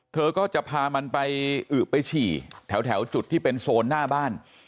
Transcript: เธอก็จะพามันไปอึไปฉี่แถวจุดที่เป็นโซนหน้าบ้าน